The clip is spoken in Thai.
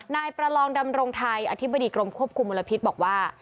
นายประลองดำรงไทยอธิบดีกรมควบคุมมลพิษบอกว่า